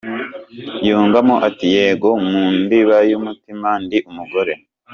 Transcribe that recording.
Yungamo ati “Yego, mu ndiba y’umutima ndi umugore.